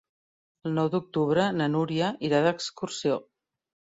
El nou d'octubre na Núria irà d'excursió.